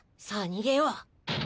さあにげよう。